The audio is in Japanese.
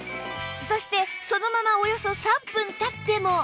そしてそのままおよそ３分経っても